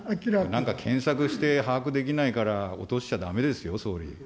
なんか検索して把握できないから落としちゃだめですよ、総理。